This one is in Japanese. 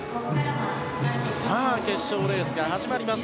さあ、決勝レースが始まります。